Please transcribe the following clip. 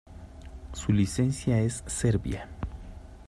Su licencia es Serbia.